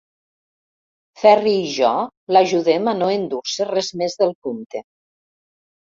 Ferri i jo l'ajudem a no endur-se res més del compte.